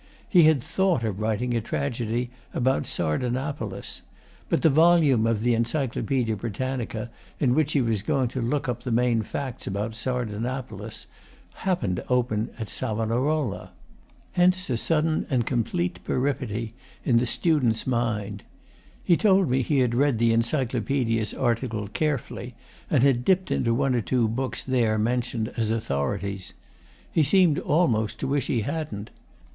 He had thought of writing a tragedy about Sardanapalus; but the volume of the "Encyclopedia Britannica" in which he was going to look up the main facts about Sardanapalus happened to open at Savonarola. Hence a sudden and complete peripety in the student's mind. He told me he had read the Encyclopedia's article carefully, and had dipped into one or two of the books there mentioned as authorities. He seemed almost to wish he hadn't.